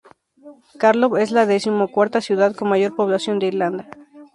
Carlow es la decimocuarta ciudad con mayor población de Irlanda.